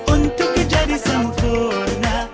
untuk kejadian semukurna